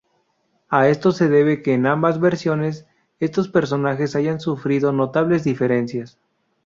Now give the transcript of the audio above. A esto se debe que en ambas versiones, estos personajes hayan sufrido notables diferencias.